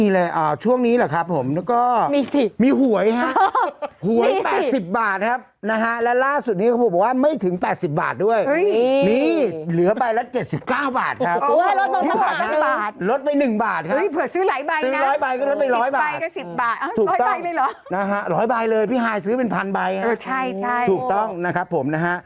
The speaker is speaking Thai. ๑๐ใบก็จะเป็นร้อยบาทอ๋อร้อยใบเลยหรอนะฮะร้อยบายเลยพี่ไห่ซื้อเป็นพันใบใช่โอ้ถูกต้องนะครับผมนะฮะ